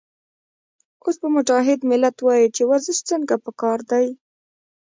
اوس به مجاهد ملت وائي چې ورزش څنګه پکار دے